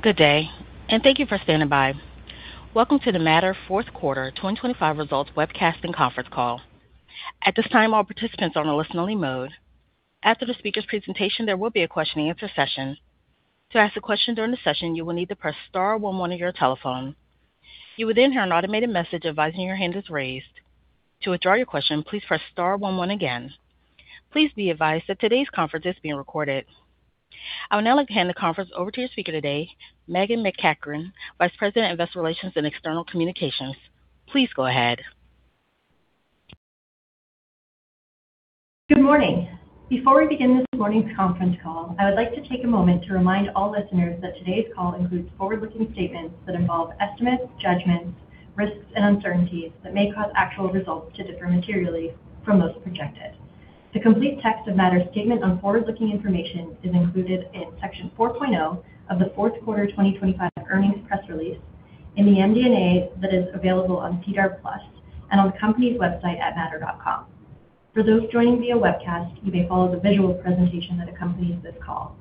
Good day, and thank you for standing by. Welcome to the Mattr fourth quarter 2025 results webcast and conference call. At this time, all participants are on a listen-only mode. After the speaker's presentation, there will be a question-and-answer session. To ask a question during the session, you will need to press star one one on your telephone. You will then hear an automated message advising your hand is raised. To withdraw your question, please press star one one again. Please be advised that today's conference is being recorded. I would now like to hand the conference over to your speaker today, Meghan MacEachern, Vice President of Investor Relations and External Communications. Please go ahead. Good morning. Before we begin this morning's conference call, I would like to take a moment to remind all listeners that today's call includes forward-looking statements that involve estimates, judgments, risks, and uncertainties that may cause actual results to differ materially from those projected. The complete text of Mattr's statement on forward-looking information is included in Section 4.0 of the fourth quarter 2025 earnings press release in the MD&A that is available on SEDAR+ and on the company's website at mattr.com. For those joining via webcast, you may follow the visual presentation that accompanies this call.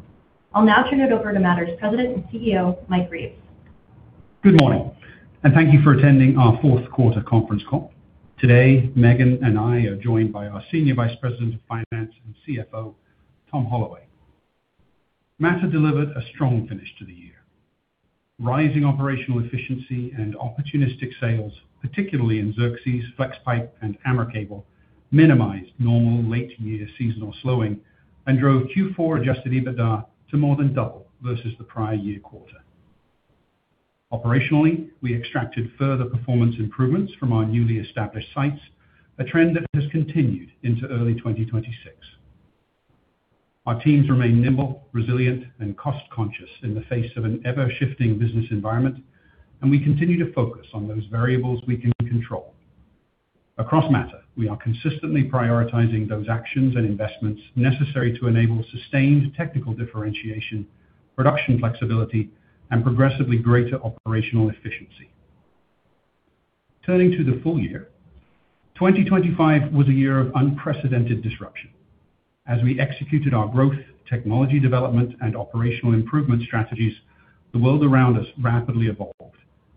I'll now turn it over to Mattr's President and CEO, Mike Reeves. Good morning, and thank you for attending our fourth quarter conference call. Today, Meghan and I are joined by our Senior Vice President of Finance and CFO, Tom Holloway. Mattr delivered a strong finish to the year. Rising operational efficiency and opportunistic sales, particularly in Xerxes, Flexpipe, and AmerCable, minimized normal late-year seasonal slowing and drove Q4 adjusted EBITDA to more than double versus the prior year quarter. Operationally, we extracted further performance improvements from our newly established sites, a trend that has continued into early 2026. Our teams remain nimble, resilient, and cost-conscious in the face of an ever-shifting business environment, and we continue to focus on those variables we can control. Across Mattr, we are consistently prioritizing those actions and investments necessary to enable sustained technical differentiation, production flexibility, and progressively greater operational efficiency. Turning to the full year, 2025 was a year of unprecedented disruption. As we executed our growth, technology development, and operational improvement strategies, the world around us rapidly evolved,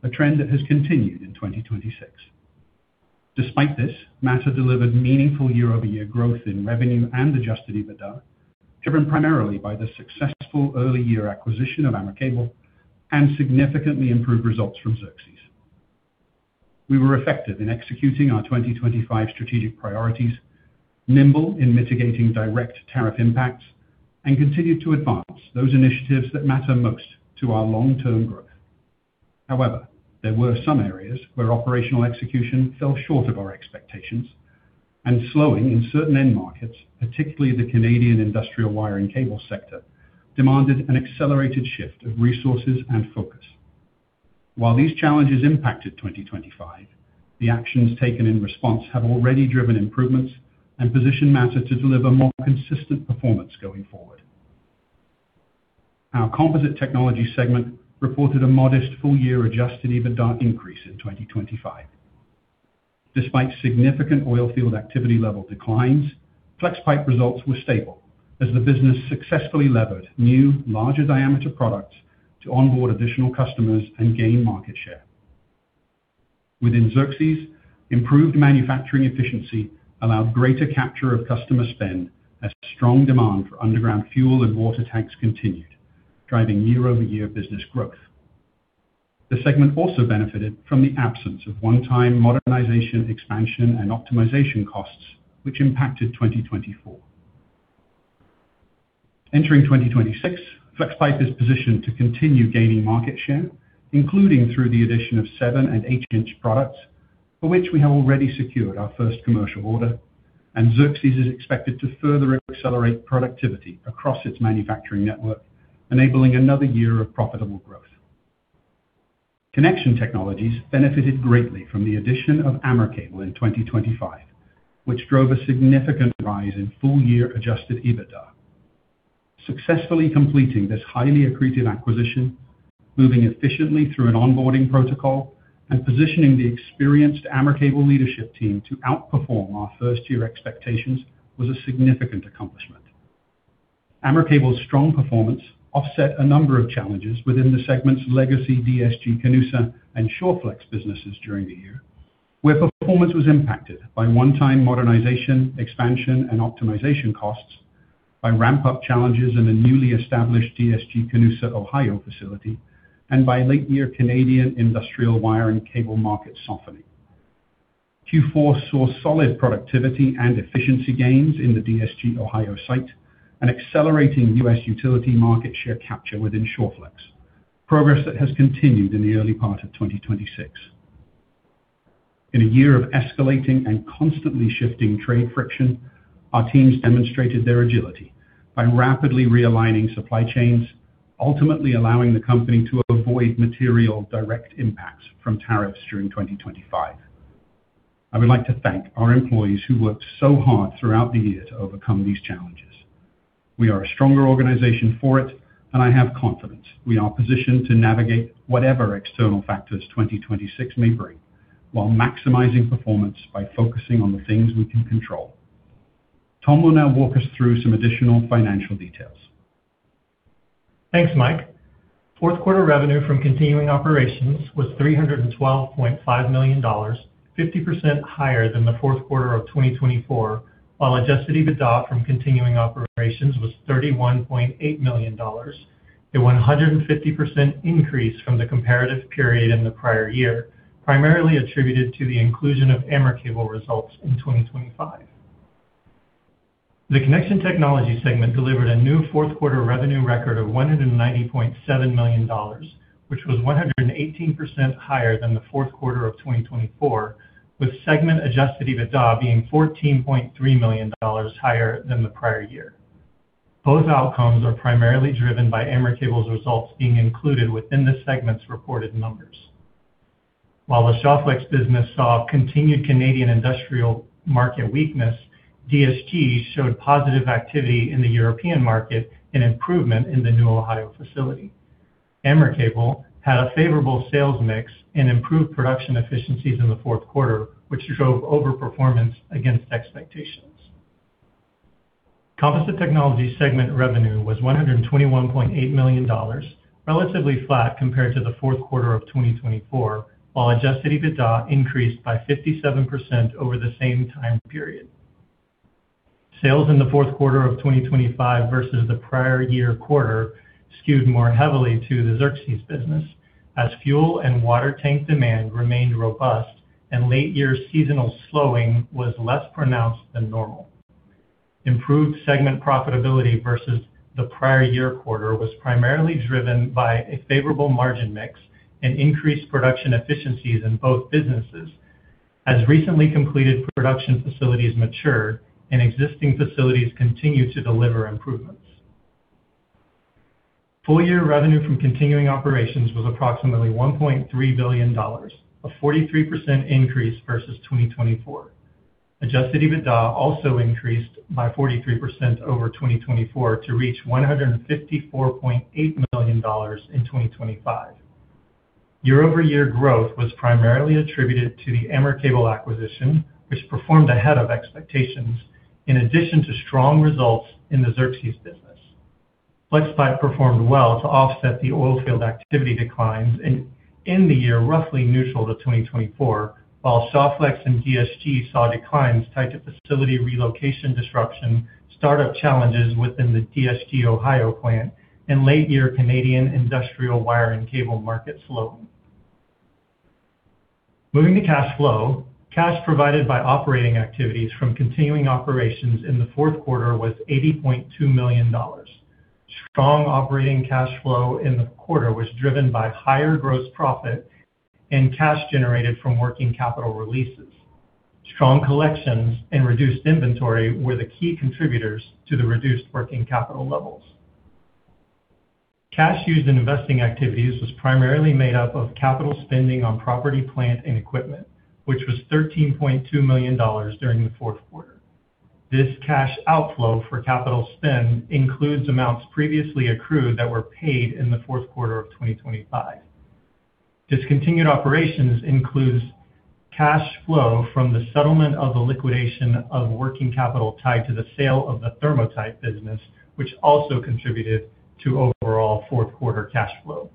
a trend that has continued in 2026. Despite this, Mattr delivered meaningful year-over-year growth in revenue and adjusted EBITDA, driven primarily by the successful early year acquisition of AmerCable and significantly improved results from Xerxes. We were effective in executing our 2025 strategic priorities, nimble in mitigating direct tariff impacts, and continued to advance those initiatives that matter most to our long-term growth. However, there were some areas where operational execution fell short of our expectations, and slowing in certain end markets, particularly the Canadian industrial wire and cable sector, demanded an accelerated shift of resources and focus. While these challenges impacted 2025, the actions taken in response have already driven improvements and positioned Mattr to deliver more consistent performance going forward. Our Composite Technologies segment reported a modest full-year adjusted EBITDA increase in 2025. Despite significant oil field activity level declines, Flexpipe results were stable as the business successfully levered new larger diameter products to onboard additional customers and gain market share. Within Xerxes, improved manufacturing efficiency allowed greater capture of customer spend as strong demand for underground fuel and water tanks continued, driving year-over-year business growth. The segment also benefited from the absence of one-time modernization, expansion, and optimization costs, which impacted 2024. Entering 2026, Flexpipe is positioned to continue gaining market share, including through the addition of 7- and 8-inch products, for which we have already secured our first commercial order, and Xerxes is expected to further accelerate productivity across its manufacturing network, enabling another year of profitable growth. Connection Technologies benefited greatly from the addition of AmerCable in 2025, which drove a significant rise in full-year adjusted EBITDA. Successfully completing this highly accretive acquisition, moving efficiently through an onboarding protocol, and positioning the experienced AmerCable leadership team to outperform our first-year expectations was a significant accomplishment. AmerCable's strong performance offset a number of challenges within the segment's legacy DSG-Canusa and Shawflex businesses during the year, where performance was impacted by one-time modernization, expansion, and optimization costs, by ramp-up challenges in the newly established DSG-Canusa Ohio facility, and by late-year Canadian industrial wire and cable market softening. Q4 saw solid productivity and efficiency gains in the DSG Ohio site and accelerating U.S. utility market share capture within Shawflex, progress that has continued in the early part of 2026. In a year of escalating and constantly shifting trade friction, our teams demonstrated their agility by rapidly realigning supply chains, ultimately allowing the company to avoid material direct impacts from tariffs during 2025. I would like to thank our employees who worked so hard throughout the year to overcome these challenges. We are a stronger organization for it, and I have confidence we are positioned to navigate whatever external factors 2026 may bring while maximizing performance by focusing on the things we can control. Tom will now walk us through some additional financial details. Thanks, Mike. Fourth quarter revenue from continuing operations was 312.5 million dollars, 50% higher than the fourth quarter of 2024, while adjusted EBITDA from continuing operations was 31.8 million dollars. A 150% increase from the comparative period in the prior year, primarily attributed to the inclusion of AmerCable results in 2025. The Connection Technologies segment delivered a new fourth quarter revenue record of 190.7 million dollars, which was 118% higher than the fourth quarter of 2024, with segment adjusted EBITDA being 14.3 million dollars higher than the prior year. Both outcomes are primarily driven by AmerCable's results being included within the segment's reported numbers. While the Shawflex business saw continued Canadian industrial market weakness, DSG showed positive activity in the European market and improvement in the new Ohio facility. AmerCable had a favorable sales mix and improved production efficiencies in the fourth quarter, which drove over performance against expectations. Composite Technologies segment revenue was 121.8 million dollars, relatively flat compared to the fourth quarter of 2024, while adjusted EBITDA increased by 57% over the same time period. Sales in the fourth quarter of 2025 versus the prior year quarter skewed more heavily to the Xerxes business as fuel and water tank demand remained robust and late year seasonal slowing was less pronounced than normal. Improved segment profitability versus the prior year quarter was primarily driven by a favorable margin mix and increased production efficiencies in both businesses as recently completed production facilities mature and existing facilities continue to deliver improvements. Full year revenue from continuing operations was approximately 1.3 billion dollars, a 43% increase versus 2024. Adjusted EBITDA also increased by 43% over 2024 to reach 154.8 million dollars in 2025. Year-over-year growth was primarily attributed to the AmerCable acquisition, which performed ahead of expectations in addition to strong results in the Xerxes business. Flexpipe performed well to offset the oil field activity declines and end the year roughly neutral to 2024, while Shawflex and DSG-Canusa saw declines tied to facility relocation disruption, startup challenges within the DSG-Canusa Ohio plant, and late year Canadian industrial wire and cable market slowing. Moving to cash flow. Cash provided by operating activities from continuing operations in the fourth quarter was 80.2 million dollars. Strong operating cash flow in the quarter was driven by higher gross profit and cash generated from working capital releases. Strong collections and reduced inventory were the key contributors to the reduced working capital levels. Cash used in investing activities was primarily made up of capital spending on property, plant, and equipment, which was 13.2 million dollars during the fourth quarter. This cash outflow for capital spend includes amounts previously accrued that were paid in the fourth quarter of 2025. Discontinued operations includes cash flow from the settlement of the liquidation of working capital tied to the sale of the Thermotite business, which also contributed to overall fourth quarter cash flow.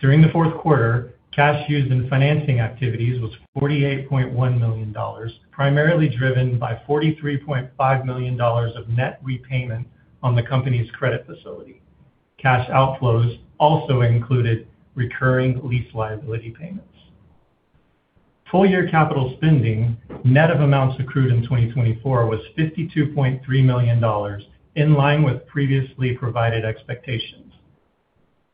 During the fourth quarter, cash used in financing activities was 48.1 million dollars, primarily driven by 43.5 million dollars of net repayment on the company's credit facility. Cash outflows also included recurring lease liability payments. Full year capital spending, net of amounts accrued in 2024, was 52.3 million dollars, in line with previously provided expectations.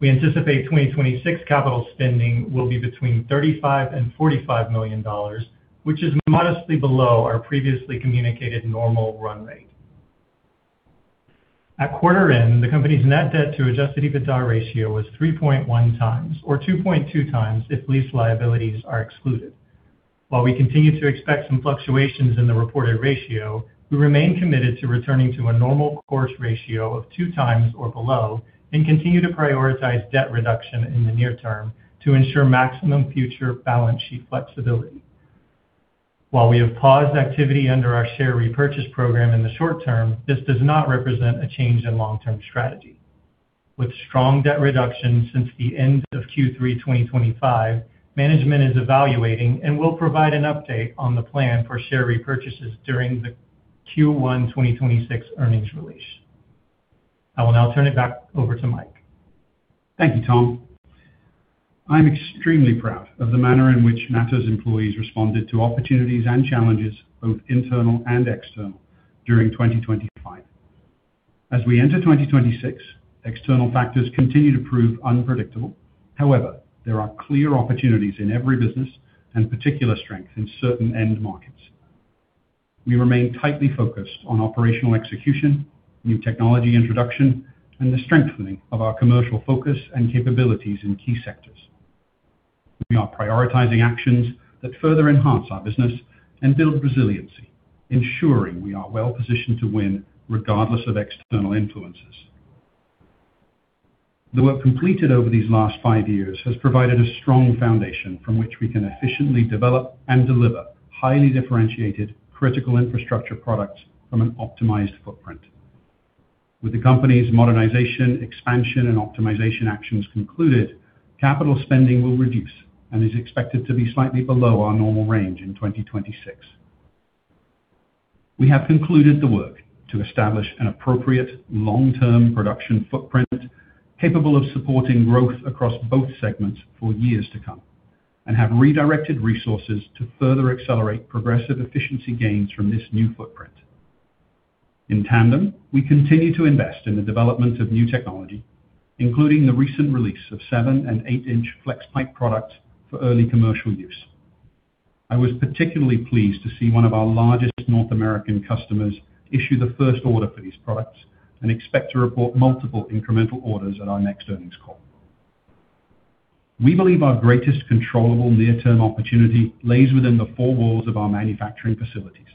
We anticipate 2026 capital spending will be between 35 million and 45 million dollars, which is modestly below our previously communicated normal run rate. At quarter end, the company's net debt to adjusted EBITDA ratio was 3.1x, or 2.2x if lease liabilities are excluded. While we continue to expect some fluctuations in the reported ratio, we remain committed to returning to a normal course ratio of 2x or below and continue to prioritize debt reduction in the near term to ensure maximum future balance sheet flexibility. While we have paused activity under our share repurchase program in the short term, this does not represent a change in long-term strategy. With strong debt reduction since the end of Q3 2025, management is evaluating and will provide an update on the plan for share repurchases during the Q1 2026 earnings release. I will now turn it back over to Mike. Thank you, Tom. I'm extremely proud of the manner in which Mattr's employees responded to opportunities and challenges, both internal and external during 2025. As we enter 2026, external factors continue to prove unpredictable. However, there are clear opportunities in every business and particular strength in certain end markets. We remain tightly focused on operational execution, new technology introduction, and the strengthening of our commercial focus and capabilities in key sectors. We are prioritizing actions that further enhance our business and build resiliency, ensuring we are well positioned to win regardless of external influences. The work completed over these last five years has provided a strong foundation from which we can efficiently develop and deliver highly differentiated critical infrastructure products from an optimized footprint. With the company's modernization, expansion, and optimization actions concluded, capital spending will reduce and is expected to be slightly below our normal range in 2026. We have concluded the work to establish an appropriate long-term production footprint capable of supporting growth across both segments for years to come, and have redirected resources to further accelerate progressive efficiency gains from this new footprint. In tandem, we continue to invest in the development of new technology, including the recent release of 7- and 8-inch Flexpipe products for early commercial use. I was particularly pleased to see one of our largest North American customers issue the first order for these products and expect to report multiple incremental orders at our next earnings call. We believe our greatest controllable near-term opportunity lies within the four walls of our manufacturing facilities.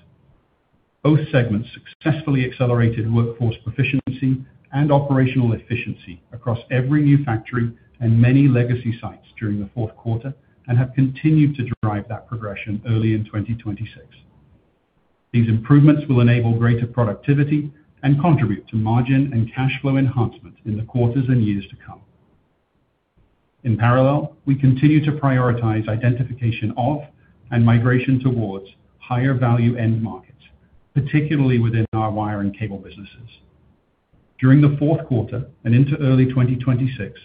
Both segments successfully accelerated workforce proficiency and operational efficiency across every new factory and many legacy sites during the fourth quarter, and have continued to drive that progression early in 2026. These improvements will enable greater productivity and contribute to margin and cash flow enhancement in the quarters and years to come. In parallel, we continue to prioritize identification of and migration towards higher value end markets, particularly within our wire and cable businesses. During the fourth quarter and into early 2026,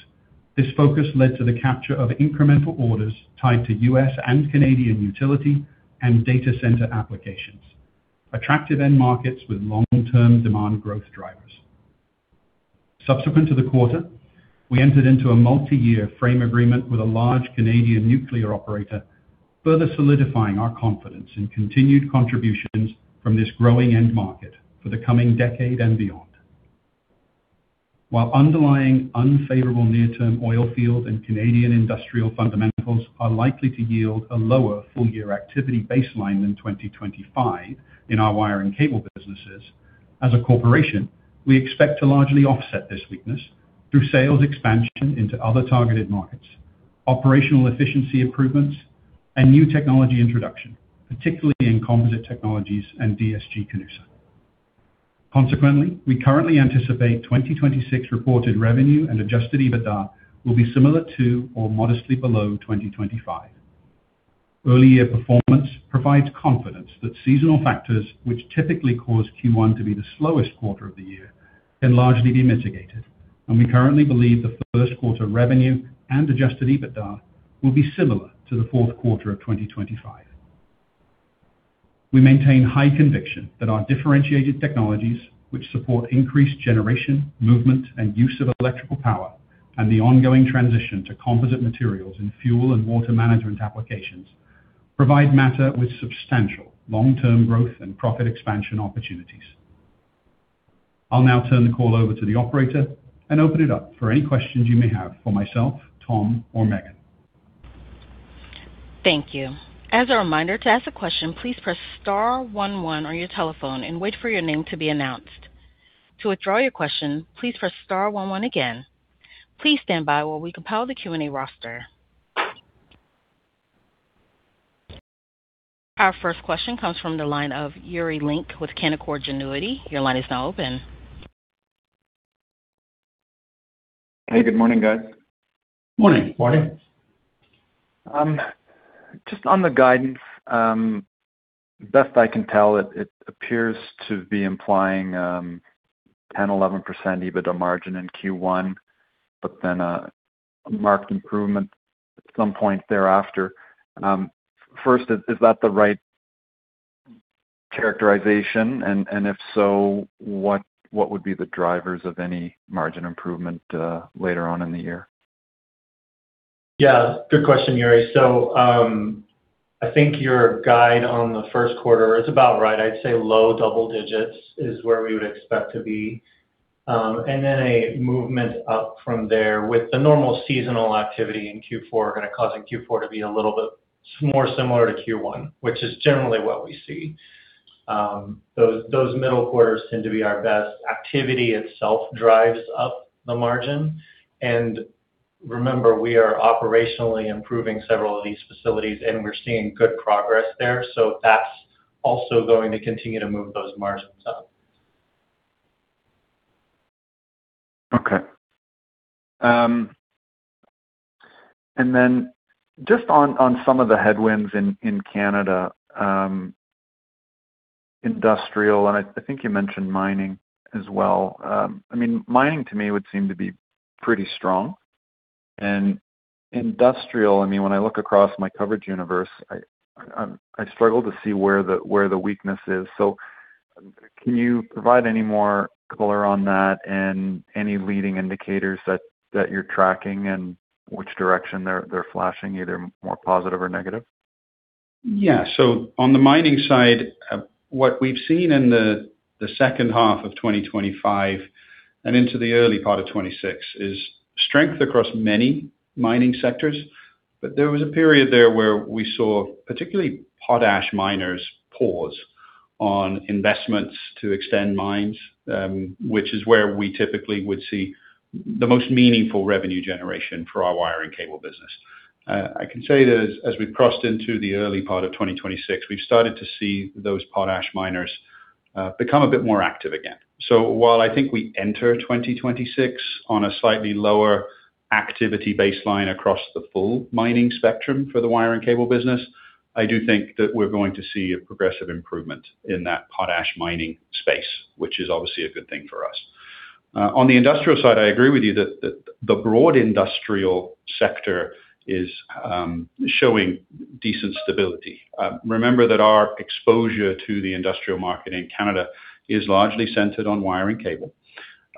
this focus led to the capture of incremental orders tied to U.S. and Canadian utility and data center applications, attractive end markets with long-term demand growth drivers. Subsequent to the quarter, we entered into a multiyear frame agreement with a large Canadian nuclear operator, further solidifying our confidence in continued contributions from this growing end market for the coming decade and beyond. While underlying unfavorable near-term oil field and Canadian industrial fundamentals are likely to yield a lower full-year activity baseline than 2025 in our wire and cable businesses, as a corporation, we expect to largely offset this weakness through sales expansion into other targeted markets, operational efficiency improvements, and new technology introduction, particularly in Composite Technologies and DSG-Canusa. Consequently, we currently anticipate 2026 reported revenue and Adjusted EBITDA will be similar to or modestly below 2025. Early year performance provides confidence that seasonal factors, which typically cause Q1 to be the slowest quarter of the year, can largely be mitigated, and we currently believe the first quarter revenue and Adjusted EBITDA will be similar to the fourth quarter of 2025. We maintain high conviction that our differentiated technologies, which support increased generation, movement, and use of electrical power, and the ongoing transition to composite materials in fuel and water management applications provide Mattr with substantial long-term growth and profit expansion opportunities. I'll now turn the call over to the operator and open it up for any questions you may have for myself, Tom, or Meghan. Thank you. As a reminder, to ask a question, please press star one one on your telephone and wait for your name to be announced. To withdraw your question, please press star one one again. Please stand by while we compile the Q&A roster. Our first question comes from the line of Yuri Lynk with Canaccord Genuity. Your line is now open. Hey, good morning, guys. Morning. Morning. Just on the guidance, best I can tell it appears to be implying 10-11% EBITDA margin in Q1, but then a marked improvement at some point thereafter. First, is that the right characterization? If so, what would be the drivers of any margin improvement later on in the year? Yeah, good question, Yuri. I think your guide on the first quarter is about right. I'd say low double digits is where we would expect to be. Then a movement up from there with the normal seasonal activity in Q4 causing Q4 to be a little bit more similar to Q1, which is generally what we see. Those middle quarters tend to be our best. Activity itself drives up the margin. Remember, we are operationally improving several of these facilities, and we're seeing good progress there. That's also going to continue to move those margins up. Okay. Just on some of the headwinds in Canada, industrial and I think you mentioned mining as well. I mean, mining to me would seem to be pretty strong. Industrial, I mean, when I look across my coverage universe, I struggle to see where the weakness is. Can you provide any more color on that and any leading indicators that you're tracking and which direction they're flashing, either more positive or negative? Yeah. On the mining side, what we've seen in the second half of 2025 and into the early part of 2026 is strength across many mining sectors. There was a period there where we saw particularly potash miners pause on investments to extend mines, which is where we typically would see the most meaningful revenue generation for our wire and cable business. I can say that as we've crossed into the early part of 2026, we've started to see those potash miners become a bit more active again. While I think we enter 2026 on a slightly lower activity baseline across the full mining spectrum for the wire and cable business, I do think that we're going to see a progressive improvement in that potash mining space, which is obviously a good thing for us. On the industrial side, I agree with you that that the broad industrial sector is showing decent stability. Remember that our exposure to the industrial market in Canada is largely centered on wire and cable.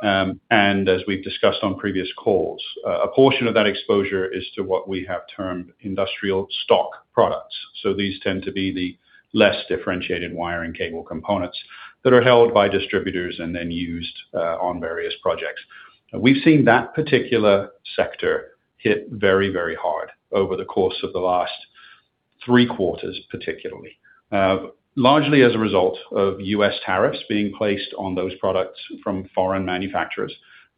As we've discussed on previous calls, a portion of that exposure is to what we have termed industrial stock products. These tend to be the less differentiated wire and cable components that are held by distributors and then used on various projects. We've seen that particular sector hit very hard over the course of the last three quarters, particularly largely as a result of U.S. tariffs being placed on those products from foreign manufacturers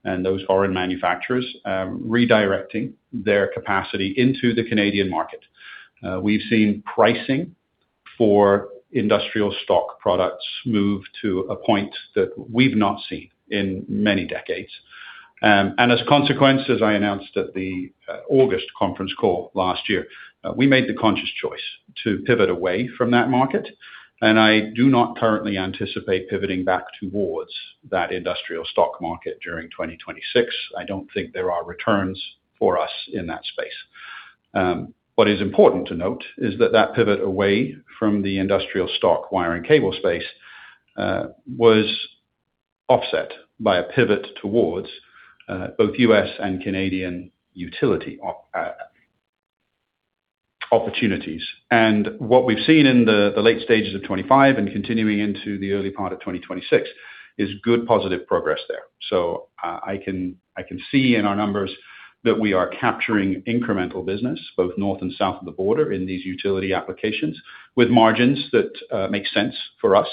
and those foreign manufacturers redirecting their capacity into the Canadian market. We've seen pricing for industrial stock products move to a point that we've not seen in many decades. As a consequence, as I announced at the August conference call last year, we made the conscious choice to pivot away from that market, and I do not currently anticipate pivoting back towards that industrial stock market during 2026. I don't think there are returns for us in that space. What is important to note is that that pivot away from the industrial stock wire and cable space was offset by a pivot towards both U.S. and Canadian utility opportunities. What we've seen in the late stages of 2025 and continuing into the early part of 2026 is good positive progress there. I can see in our numbers that we are capturing incremental business both north and south of the border in these utility applications with margins that make sense for us.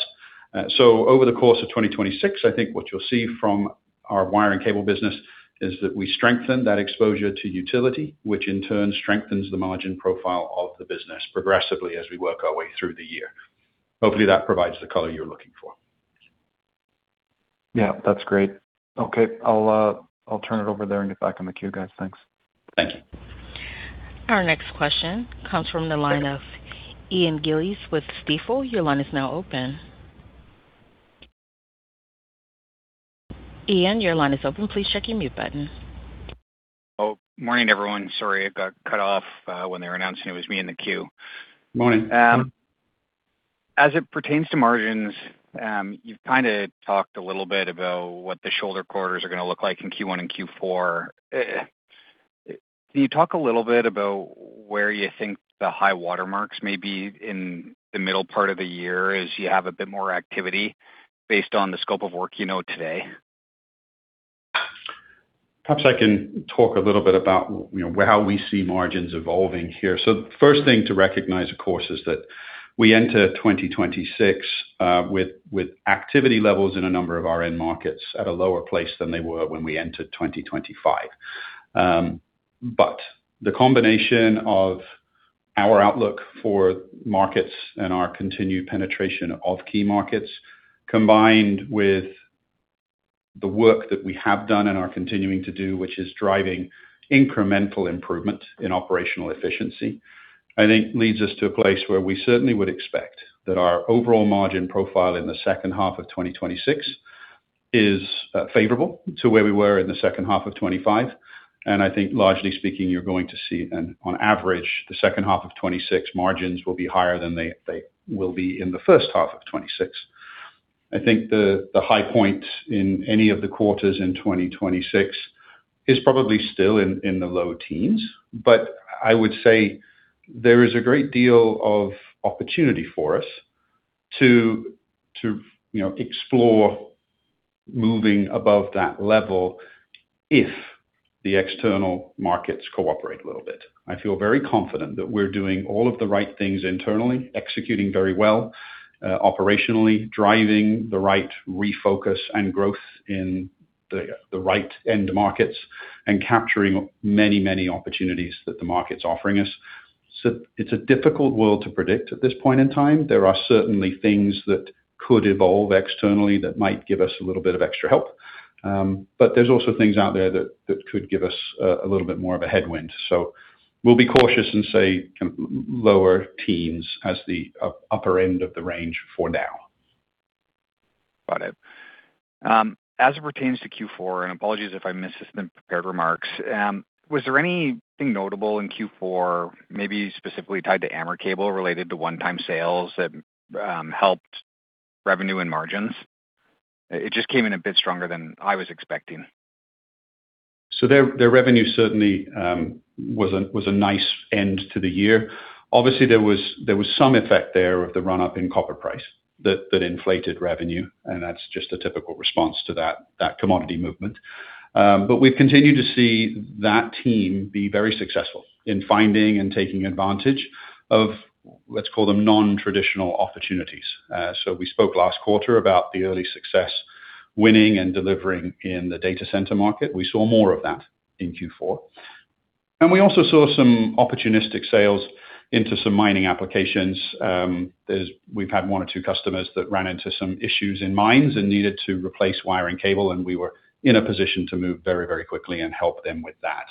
Over the course of 2026, I think what you'll see from our wire and cable business is that we strengthen that exposure to utility, which in turn strengthens the margin profile of the business progressively as we work our way through the year. Hopefully, that provides the color you're looking for. Yeah. That's great. Okay. I'll turn it over there and get back on the queue, guys. Thanks. Thank you. Our next question comes from the line of Ian Gillies with Stifel. Your line is now open. Ian, your line is open. Please check your mute button. Oh, morning, everyone. Sorry, I got cut off when they were announcing it was me in the queue. Morning. As it pertains to margins, you've kinda talked a little bit about what the shoulder quarters are gonna look like in Q1 and Q4. Can you talk a little bit about where you think the high water marks may be in the middle part of the year as you have a bit more activity based on the scope of work you know today? Perhaps I can talk a little bit about, you know, how we see margins evolving here. The first thing to recognize, of course, is that we enter 2026 with activity levels in a number of our end markets at a lower place than they were when we entered 2025. The combination of our outlook for markets and our continued penetration of key markets, combined with the work that we have done and are continuing to do, which is driving incremental improvement in operational efficiency, I think leads us to a place where we certainly would expect that our overall margin profile in the second half of 2026 is favorable to where we were in the second half of 2025. I think largely speaking, you're going to see on average, the second half of 2026 margins will be higher than they will be in the first half of 2026. I think the high point in any of the quarters in 2026 is probably still in the low teens, but I would say there is a great deal of opportunity for us to you know explore moving above that level if the external markets cooperate a little bit. I feel very confident that we're doing all of the right things internally, executing very well operationally, driving the right refocus and growth in the right end markets, and capturing many opportunities that the market's offering us. It's a difficult world to predict at this point in time. There are certainly things that could evolve externally that might give us a little bit of extra help. But there's also things out there that could give us a little bit more of a headwind. We'll be cautious and say lower teens as the upper end of the range for now. Got it. As it pertains to Q4, and apologies if I missed this in the prepared remarks, was there anything notable in Q4, maybe specifically tied to AmerCable related to one-time sales that helped revenue and margins? It just came in a bit stronger than I was expecting. Their revenue certainly was a nice end to the year. Obviously, there was some effect there of the run-up in copper price that inflated revenue, and that's just a typical response to that commodity movement. But we've continued to see that team be very successful in finding and taking advantage of, let's call them, non-traditional opportunities. We spoke last quarter about the early success winning and delivering in the data center market. We saw more of that in Q4. We also saw some opportunistic sales into some mining applications. We've had one or two customers that ran into some issues in mines and needed to replace wiring cable, and we were in a position to move very, very quickly and help them with that.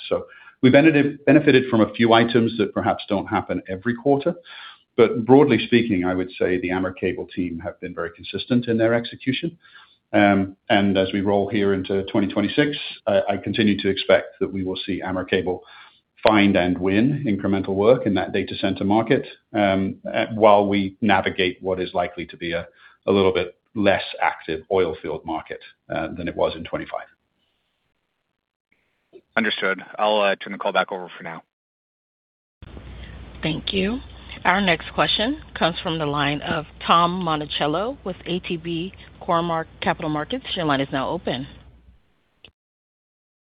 We've benefited from a few items that perhaps don't happen every quarter. Broadly speaking, I would say the AmerCable team have been very consistent in their execution. As we roll here into 2026, I continue to expect that we will see AmerCable find and win incremental work in that data center market, while we navigate what is likely to be a little bit less active oil field market, than it was in 2025. Understood. I'll turn the call back over for now. Thank you. Our next question comes from the line of Tim Monachello with ATB Cormark Capital Markets. Your line is now open.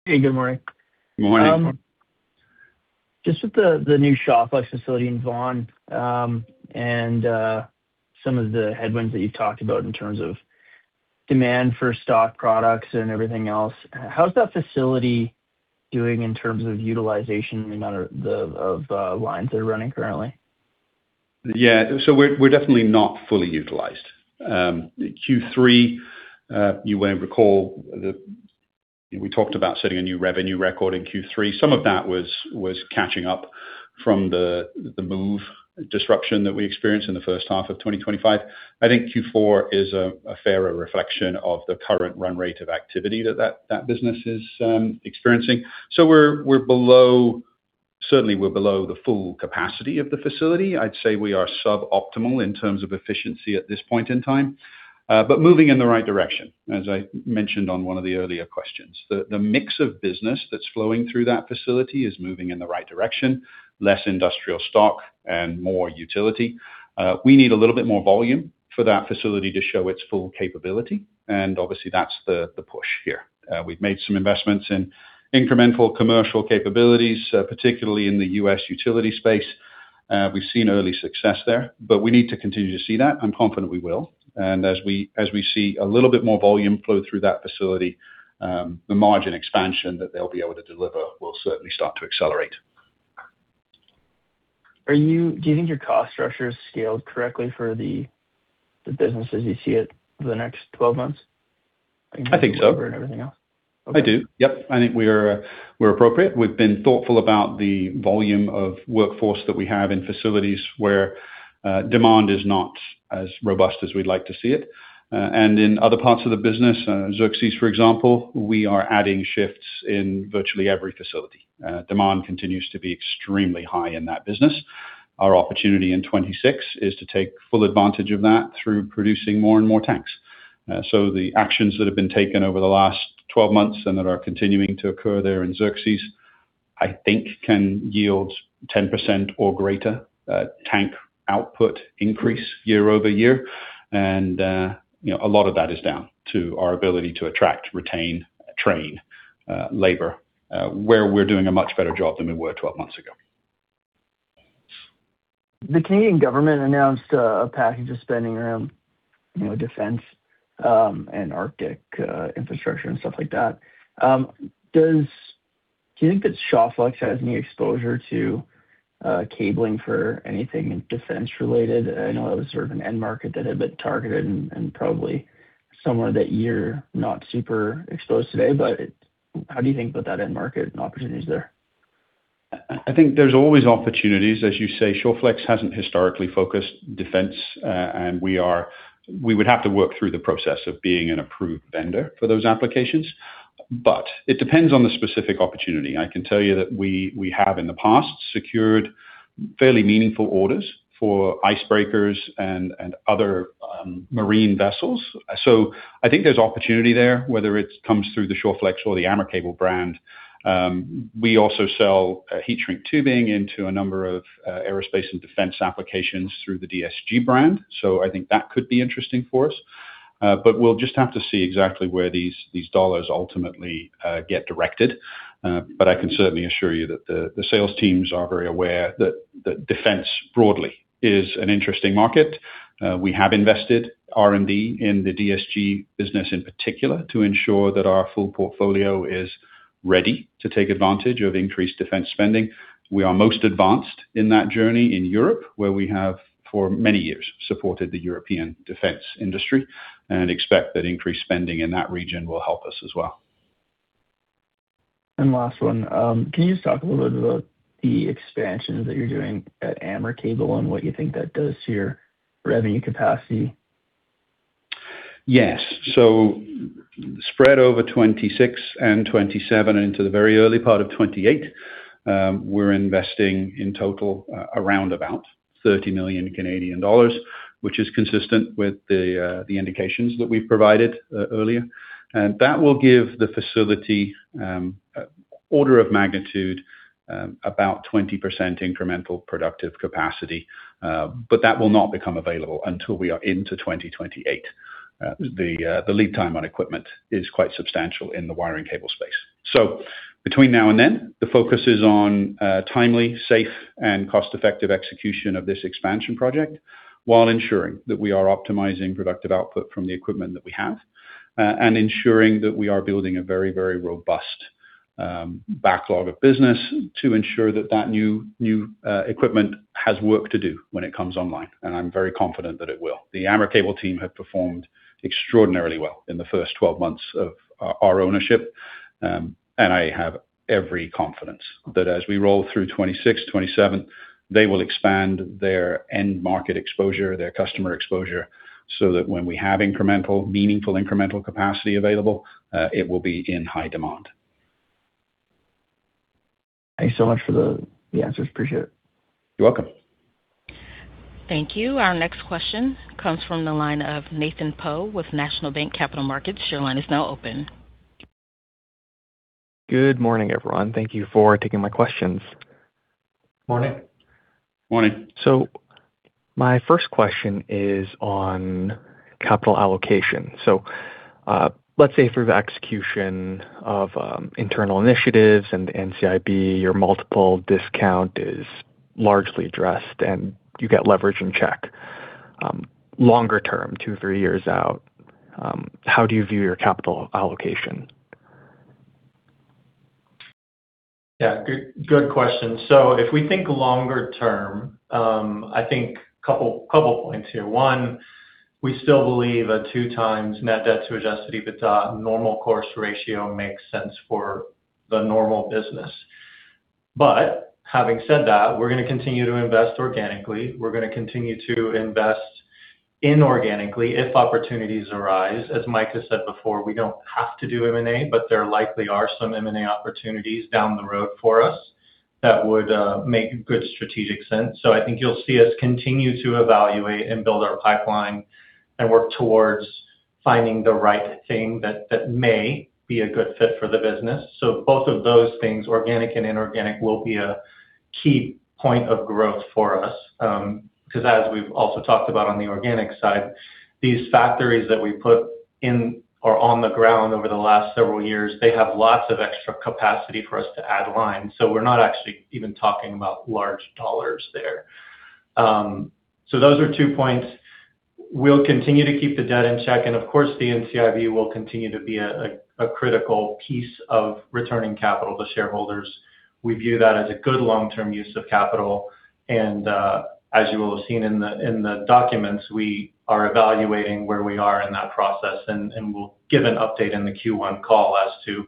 Hey, good morning. Good morning. Just with the new Shawflex facility in Vaughan, and some of the headwinds that you talked about in terms of demand for stock products and everything else, how's that facility doing in terms of utilization and the amount of the lines that are running currently? Yeah. We're definitely not fully utilized. Q3, you may recall we talked about setting a new revenue record in Q3. Some of that was catching up from the move disruption that we experienced in the first half of 2025. I think Q4 is a fairer reflection of the current run rate of activity that business is experiencing. We're certainly below the full capacity of the facility. I'd say we are suboptimal in terms of efficiency at this point in time, but moving in the right direction, as I mentioned on one of the earlier questions. The mix of business that's flowing through that facility is moving in the right direction, less industrial stock and more utility. We need a little bit more volume for that facility to show its full capability, and obviously that's the push here. We've made some investments in incremental commercial capabilities, particularly in the US utility space. We've seen early success there, but we need to continue to see that. I'm confident we will. As we see a little bit more volume flow through that facility, the margin expansion that they'll be able to deliver will certainly start to accelerate. Do you think your cost structure is scaled correctly for the business as you see it for the next 12 months? I think so. Everything else? I do. Yep. I think we're appropriate. We've been thoughtful about the volume of workforce that we have in facilities where demand is not as robust as we'd like to see it. In other parts of the business, Xerxes, for example, we are adding shifts in virtually every facility. Demand continues to be extremely high in that business. Our opportunity in 2026 is to take full advantage of that through producing more and more tanks. The actions that have been taken over the last 12 months and that are continuing to occur there in Xerxes, I think can yield 10% or greater tank output increase year-over-year. You know, a lot of that is down to our ability to attract, retain, train labor where we're doing a much better job than we were 12 months ago. The Canadian government announced a package of spending around, you know, defense, and Arctic infrastructure and stuff like that. Do you think that Shawflex has any exposure to cabling for anything defense-related? I know it was sort of an end market that had been targeted and probably somewhere that you're not super exposed today. How do you think about that end market and opportunities there? I think there's always opportunities. As you say, Shawflex hasn't historically focused defense, and we would have to work through the process of being an approved vendor for those applications. It depends on the specific opportunity. I can tell you that we have in the past secured fairly meaningful orders for icebreakers and other marine vessels. I think there's opportunity there, whether it comes through the Shawflex or the AmerCable brand. We also sell heat shrink tubing into a number of aerospace and defense applications through the DSG brand. I think that could be interesting for us. We'll just have to see exactly where these dollars ultimately get directed. I can certainly assure you that the sales teams are very aware that defense broadly is an interesting market. We have invested R&D in the DSG-Canusa business in particular to ensure that our full portfolio is ready to take advantage of increased defense spending. We are most advanced in that journey in Europe, where we have for many years supported the European defense industry and expect that increased spending in that region will help us as well. Last one. Can you just talk a little bit about the expansions that you're doing at AmerCable and what you think that does to your revenue capacity? Yes. Spread over 2026 and 2027 into the very early part of 2028, we're investing in total around about 30 million Canadian dollars, which is consistent with the indications that we provided earlier. That will give the facility order of magnitude about 20% incremental productive capacity. But that will not become available until we are into 2028. The lead time on equipment is quite substantial in the wiring cable space. Between now and then, the focus is on timely, safe, and cost-effective execution of this expansion project while ensuring that we are optimizing productive output from the equipment that we have, and ensuring that we are building a very robust backlog of business to ensure that that new equipment has work to do when it comes online, and I'm very confident that it will. The AmerCable team have performed extraordinarily well in the first 12 months of our ownership, and I have every confidence that as we roll through 2026, 2027, they will expand their end market exposure, their customer exposure, so that when we have incremental, meaningful incremental capacity available, it will be in high demand. Thanks so much for the answers. Appreciate it. You're welcome. Thank you. Our next question comes from the line of Atharva Zaveri with National Bank Capital Markets. Your line is now open. Good morning, everyone. Thank you for taking my questions. Morning. Morning. My first question is on capital allocation. Let's say for the execution of internal initiatives and NCIB, your multiple discount is largely addressed, and you get leverage in check. Longer term, 2, 3 years out, how do you view your capital allocation? Yeah, good question. If we think longer term, I think a couple points here. One, we still believe a 2x net debt to adjusted EBITDA normal course ratio makes sense for the normal business. Having said that, we're gonna continue to invest organically. We're gonna continue to invest inorganically if opportunities arise. As Mike has said before, we don't have to do M&A, but there likely are some M&A opportunities down the road for us that would make good strategic sense. I think you'll see us continue to evaluate and build our pipeline and work towards finding the right thing that may be a good fit for the business. Both of those things, organic and inorganic, will be a key point of growth for us, 'cause as we've also talked about on the organic side, these factories that we put in or on the ground over the last several years, they have lots of extra capacity for us to add lines. We're not actually even talking about large dollars there. Those are two points. We'll continue to keep the debt in check, and of course, the NCIB will continue to be a critical piece of returning capital to shareholders. We view that as a good long-term use of capital, and as you will have seen in the documents, we are evaluating where we are in that process and we'll give an update in the Q1 call as to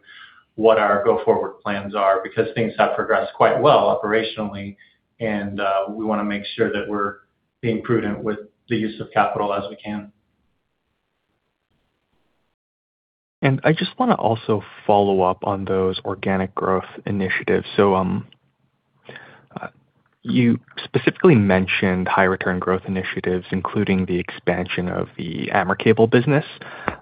what our go-forward plans are because things have progressed quite well operationally and we wanna make sure that we're being prudent with the use of capital as we can. I just wanna also follow up on those organic growth initiatives. You specifically mentioned high return growth initiatives, including the expansion of the AmerCable business.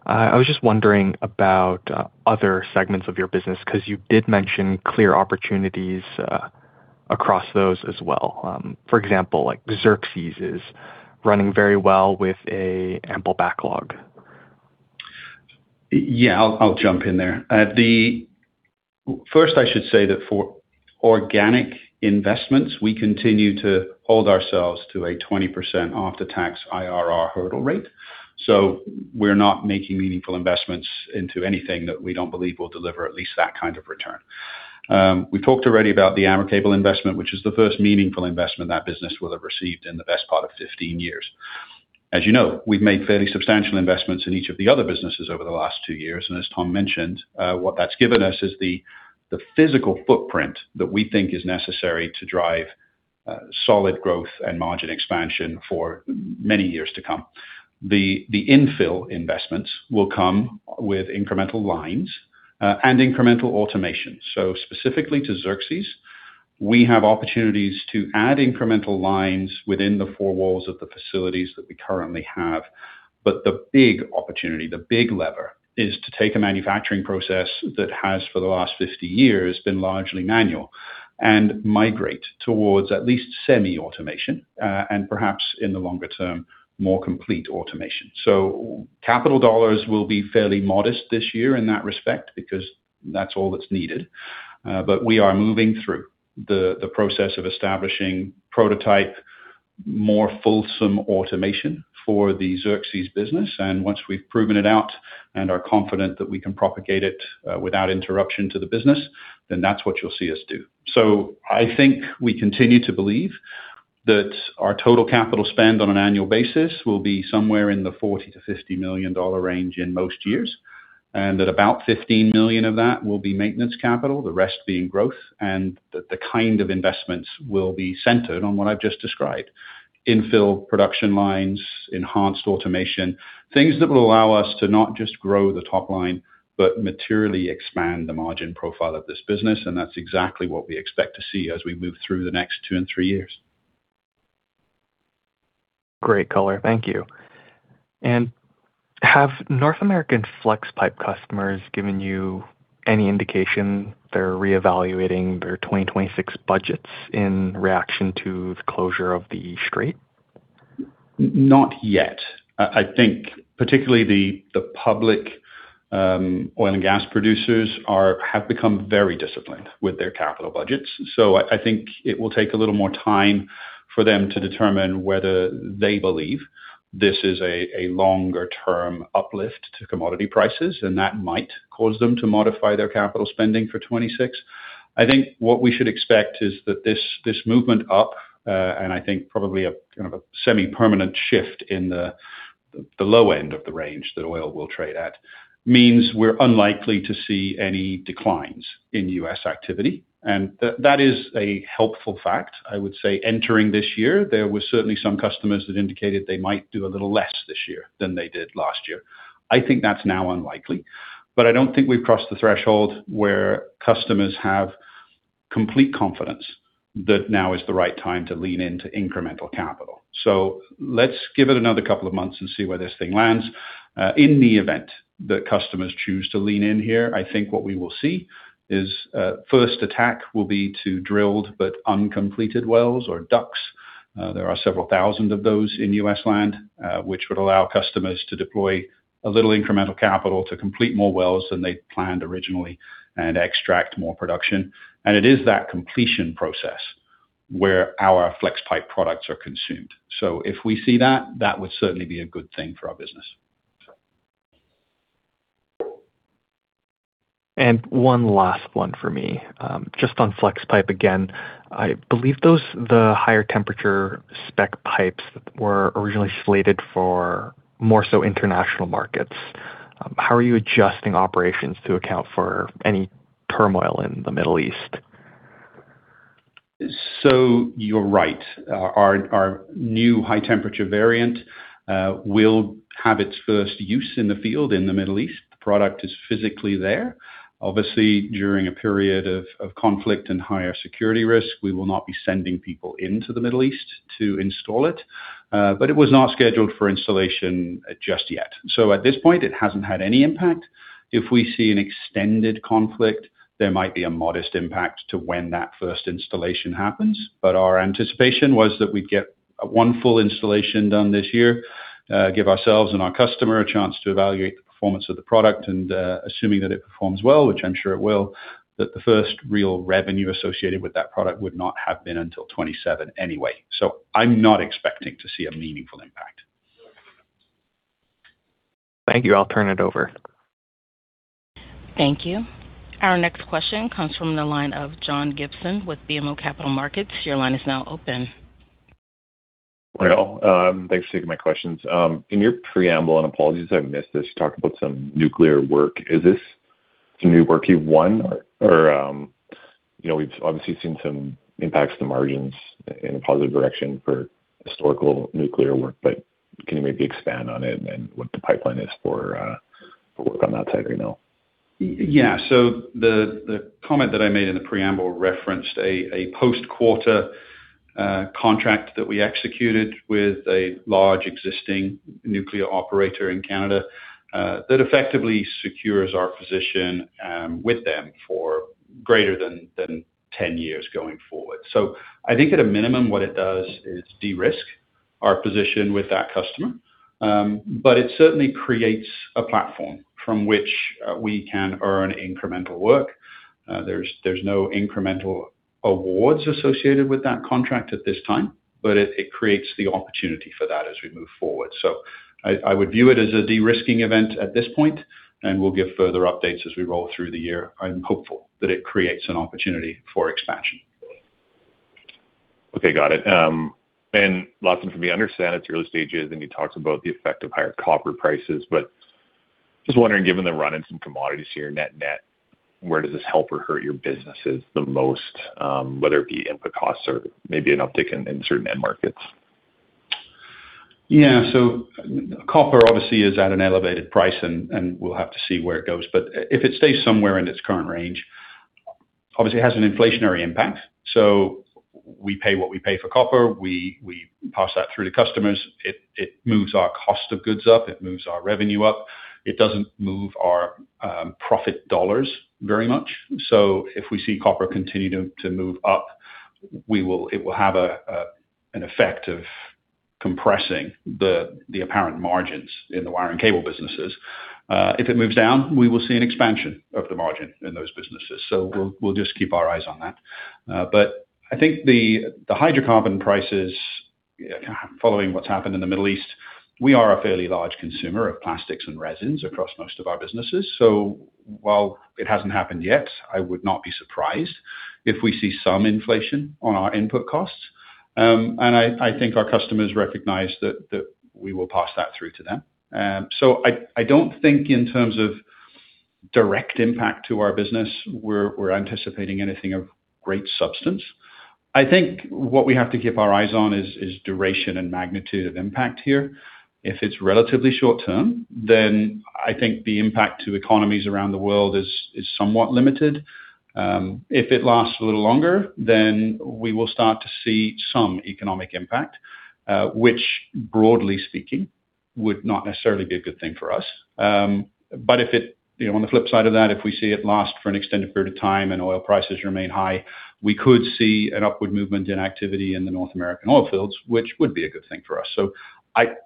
I was just wondering about other segments of your business, 'cause you did mention clear opportunities across those as well. For example, like Xerxes is running very well with an ample backlog. Yeah, I'll jump in there. First, I should say that for organic investments, we continue to hold ourselves to a 20% after-tax IRR hurdle rate. We're not making meaningful investments into anything that we don't believe will deliver at least that kind of return. We talked already about the AmerCable investment, which is the first meaningful investment that business will have received in the best part of 15 years. As you know, we've made fairly substantial investments in each of the other businesses over the last two years, and as Tom mentioned, what that's given us is the physical footprint that we think is necessary to drive solid growth and margin expansion for many years to come. The infill investments will come with incremental lines and incremental automation. Specifically to Xerxes, we have opportunities to add incremental lines within the four walls of the facilities that we currently have. The big opportunity, the big lever, is to take a manufacturing process that has, for the last 50 years, been largely manual and migrate towards at least semi-automation, and perhaps in the longer term, more complete automation. Capital dollars will be fairly modest this year in that respect because that's all that's needed. We are moving through the process of establishing prototype, more fulsome automation for the Xerxes business, and once we've proven it out and are confident that we can propagate it, without interruption to the business, then that's what you'll see us do. I think we continue to believe that our total capital spend on an annual basis will be somewhere in the 40 million-50 million dollar range in most years, and that about 15 million of that will be maintenance capital, the rest being growth, and the kind of investments will be centered on what I've just described, infill production lines, enhanced automation, things that will allow us to not just grow the top line, but materially expand the margin profile of this business, and that's exactly what we expect to see as we move through the next two and three years. Great color. Thank you. Have North American Flexpipe customers given you any indication they're reevaluating their 2026 budgets in reaction to the closure of the Strait? Not yet. I think particularly the public oil and gas producers have become very disciplined with their capital budgets. I think it will take a little more time for them to determine whether they believe this is a longer term uplift to commodity prices, and that might cause them to modify their capital spending for 2026. I think what we should expect is that this movement up and I think probably a kind of a semi-permanent shift in the low end of the range that oil will trade at means we're unlikely to see any declines in U.S. activity. That is a helpful fact, I would say. Entering this year, there were certainly some customers that indicated they might do a little less this year than they did last year. I think that's now unlikely. I don't think we've crossed the threshold where customers have complete confidence that now is the right time to lean into incremental capital. Let's give it another couple of months and see where this thing lands. In the event that customers choose to lean in here, I think what we will see is, first attack will be to drilled but uncompleted wells or DUCs. There are several thousand of those in U.S. land, which would allow customers to deploy a little incremental capital to complete more wells than they planned originally and extract more production. It is that completion process where our Flexpipe products are consumed. If we see that would certainly be a good thing for our business. One last one for me. Just on Flexpipe again. I believe those, the higher temperature spec pipes were originally slated for more so international markets. How are you adjusting operations to account for any turmoil in the Middle East? You're right. Our new high temperature variant will have its first use in the field in the Middle East. The product is physically there. Obviously, during a period of conflict and higher security risk, we will not be sending people into the Middle East to install it, but it was not scheduled for installation just yet. At this point, it hasn't had any impact. If we see an extended conflict, there might be a modest impact to when that first installation happens. Our anticipation was that we'd get one full installation done this year, give ourselves and our customer a chance to evaluate the performance of the product. Assuming that it performs well, which I'm sure it will, that the first real revenue associated with that product would not have been until 2027 anyway. I'm not expecting to see a meaningful impact. Thank you. I'll turn it over. Thank you. Our next question comes from the line of John Gibson with BMO Capital Markets. Your line is now open. Well, thanks for taking my questions. In your preamble, and apologies if I missed this, you talked about some nuclear work. Is this some new work you've won? Or, you know, we've obviously seen some impacts to margins in a positive direction for historical nuclear work, but can you maybe expand on it and what the pipeline is for work on that side right now? The comment that I made in the preamble referenced a post-quarter contract that we executed with a large existing nuclear operator in Canada that effectively secures our position with them for greater than 10 years going forward. I think at a minimum, what it does is de-risk our position with that customer. But it certainly creates a platform from which we can earn incremental work. There's no incremental awards associated with that contract at this time, but it creates the opportunity for that as we move forward. I would view it as a de-risking event at this point, and we'll give further updates as we roll through the year. I'm hopeful that it creates an opportunity for expansion. Okay, got it. Last one from me. I understand it's early stages, and you talked about the effect of higher copper prices, but just wondering, given the run in some commodities here, net net, where does this help or hurt your businesses the most, whether it be input costs or maybe an uptick in certain end markets? Copper obviously is at an elevated price and we'll have to see where it goes. If it stays somewhere in its current range, obviously it has an inflationary impact. We pay what we pay for copper. We pass that through to customers. It moves our cost of goods up, it moves our revenue up. It doesn't move our profit dollars very much. If we see copper continue to move up, it will have an effect of compressing the apparent margins in the wiring cable businesses. If it moves down, we will see an expansion of the margin in those businesses. We'll just keep our eyes on that. I think the hydrocarbon prices following what's happened in the Middle East, we are a fairly large consumer of plastics and resins across most of our businesses. While it hasn't happened yet, I would not be surprised if we see some inflation on our input costs. I think our customers recognize that we will pass that through to them. I don't think in terms of direct impact to our business, we're anticipating anything of great substance. I think what we have to keep our eyes on is duration and magnitude of impact here. If it's relatively short term, then I think the impact to economies around the world is somewhat limited. If it lasts a little longer, then we will start to see some economic impact, which broadly speaking would not necessarily be a good thing for us. If you know, on the flip side of that, if we see it last for an extended period of time and oil prices remain high, we could see an upward movement in activity in the North American oil fields, which would be a good thing for us.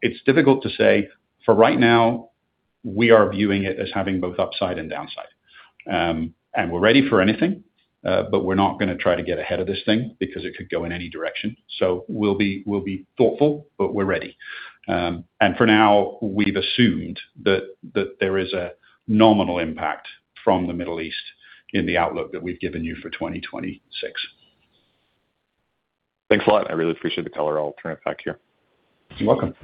It's difficult to say. For right now, we are viewing it as having both upside and downside. We're ready for anything, but we're not gonna try to get ahead of this thing because it could go in any direction. We'll be thoughtful, but we're ready. For now, we've assumed that there is a nominal impact from the Middle East in the outlook that we've given you for 2026. Thanks a lot. I really appreciate the color. I'll turn it back to you. You're welcome.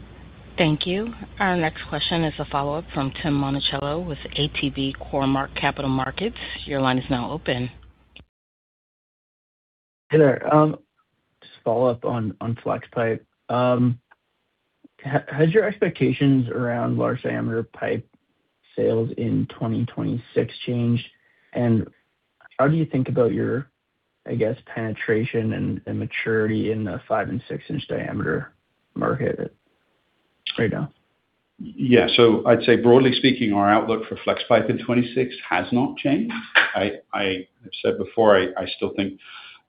Thank you. Our next question is a follow-up from Tim Monachello with ATB Cormark Capital Markets. Your line is now open. Hey there. Just follow up on Flexpipe. Has your expectations around large diameter pipe sales in 2026 changed? How do you think about your, I guess, penetration and maturity in the 5- and 6-inch diameter market right now? Yeah. I'd say broadly speaking, our outlook for Flexpipe in 2026 has not changed. I said before, I still think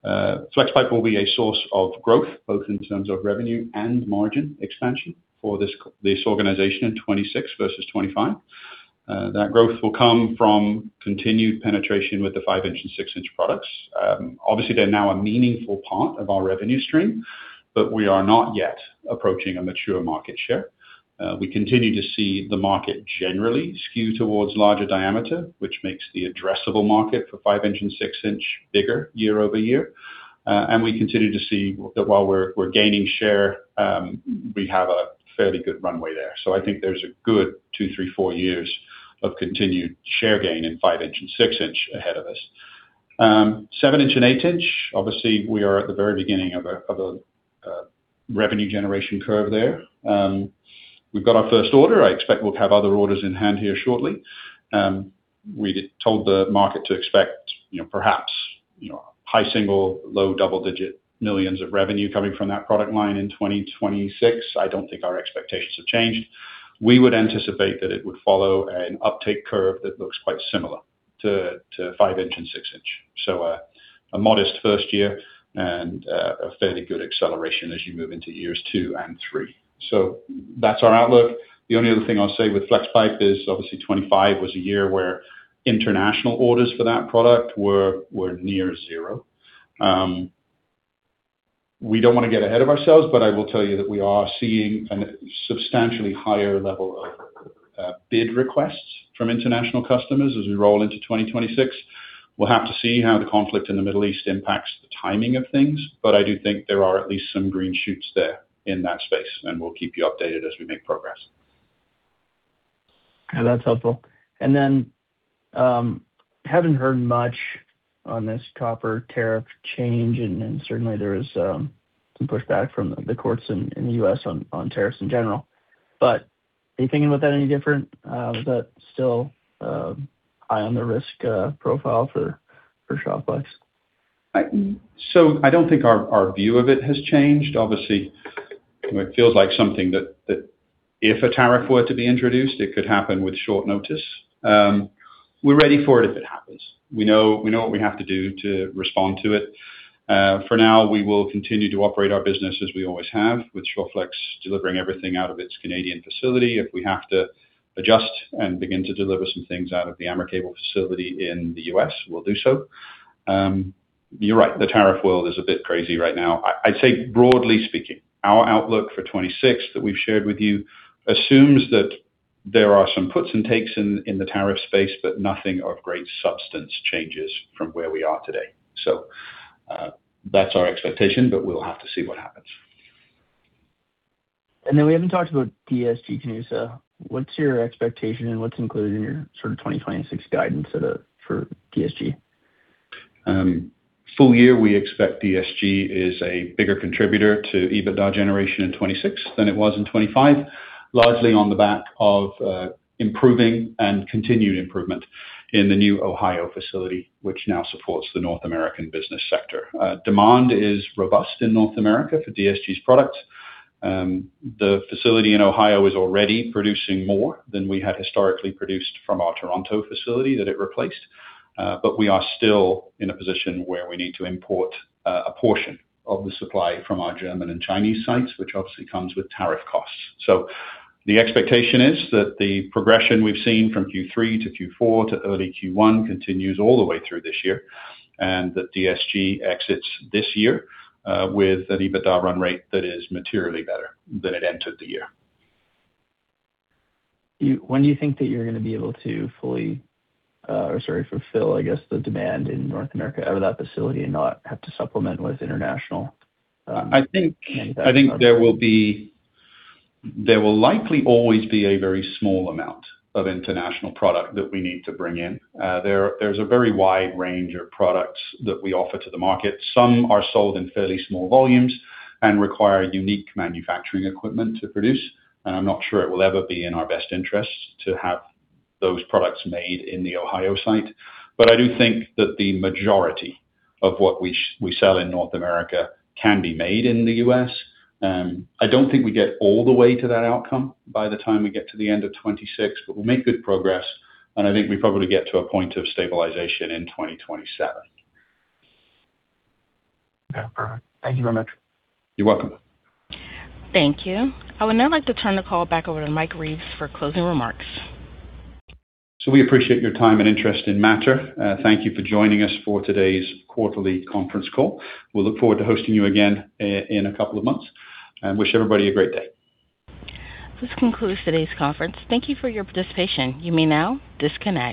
Flexpipe will be a source of growth, both in terms of revenue and margin expansion for this organization in 2026 versus 2025. That growth will come from continued penetration with the 5-inch and 6-inch products. Obviously, they're now a meaningful part of our revenue stream, but we are not yet approaching a mature market share. We continue to see the market generally skew towards larger diameter, which makes the addressable market for 5-inch and 6-inch bigger year-over-year. We continue to see that while we're gaining share, we have a fairly good runway there. I think there's a good two, three, four years of continued share gain in 5-inch and 6-inch ahead of us. Seven-inch and eight-inch, obviously we are at the very beginning of a revenue generation curve there. We've got our first order. I expect we'll have other orders in hand here shortly. We told the market to expect, you know, perhaps, you know, high single- to low double-digit millions of revenue coming from that product line in 2026. I don't think our expectations have changed. We would anticipate that it would follow an uptake curve that looks quite similar to five-inch and six-inch. A modest first year and a fairly good acceleration as you move into years two and three. That's our outlook. The only other thing I'll say with Flexpipe is obviously 2025 was a year where international orders for that product were near zero. We don't wanna get ahead of ourselves, but I will tell you that we are seeing a substantially higher level of bid requests from international customers as we roll into 2026. We'll have to see how the conflict in the Middle East impacts the timing of things, but I do think there are at least some green shoots there in that space, and we'll keep you updated as we make progress. Yeah, that's helpful. Haven't heard much on this copper tariff change, certainly there is some pushback from the courts in the U.S. on tariffs in general. Are you thinking about that any different? Is that still high on the risk profile for Shawflex? I don't think our view of it has changed. Obviously, it feels like something that if a tariff were to be introduced, it could happen with short notice. We're ready for it if it happens. We know what we have to do to respond to it. For now, we will continue to operate our business as we always have, with Shawflex delivering everything out of its Canadian facility. If we have to adjust and begin to deliver some things out of the AmerCable facility in the U.S., we'll do so. You're right, the tariff world is a bit crazy right now. I'd say broadly speaking, our outlook for 2026 that we've shared with you assumes that there are some puts and takes in the tariff space, but nothing of great substance changes from where we are today. That's our expectation, but we'll have to see what happens. We haven't talked about DSG-Canusa, Canusa. What's your expectation and what's included in your sort of 2026 guidance for DSG-Canusa? Full year, we expect DSG-Canusa is a bigger contributor to EBITDA generation in 2026 than it was in 2025, largely on the back of improving and continued improvement in the new Ohio facility, which now supports the North American business sector. Demand is robust in North America for DSG-Canusa's product. The facility in Ohio is already producing more than we had historically produced from our Toronto facility that it replaced, but we are still in a position where we need to import a portion of the supply from our German and Chinese sites, which obviously comes with tariff costs. The expectation is that the progression we've seen from Q3 to Q4 to early Q1 continues all the way through this year, and that DSG-Canusa exits this year with an EBITDA run rate that is materially better than it entered the year. When do you think that you're gonna be able to fulfill, I guess, the demand in North America out of that facility and not have to supplement with international? I think there will likely always be a very small amount of international product that we need to bring in. There's a very wide range of products that we offer to the market. Some are sold in fairly small volumes and require unique manufacturing equipment to produce. I'm not sure it will ever be in our best interest to have those products made in the Ohio site. I do think that the majority of what we sell in North America can be made in the US. I don't think we get all the way to that outcome by the time we get to the end of 2026, but we'll make good progress, and I think we probably get to a point of stabilization in 2027. Yeah. All right. Thank you very much. You're welcome. Thank you. I would now like to turn the call back over to Mike Reeves for closing remarks. We appreciate your time and interest in Mattr. Thank you for joining us for today's quarterly conference call. We look forward to hosting you again in a couple of months. We wish everybody a great day. This concludes today's conference. Thank you for your participation. You may now disconnect.